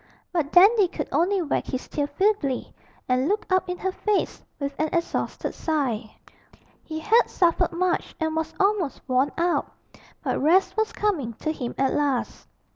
But Dandy could only wag his tail feebly and look up in her face with an exhausted sigh. He had suffered much and was almost worn out; but rest was coming to him at last.